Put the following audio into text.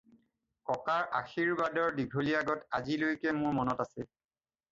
ককাৰ আশীৰ্বাদৰ দীঘলীয়া গত আজিলৈকে মোৰ মনত আছে।